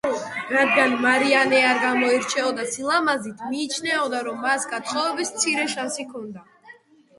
რადგან მარი ანე არ გამოირჩეოდა სილამაზით მიიჩნეოდა, რომ მას გათხოვების მცირე შანსი ჰქონდა.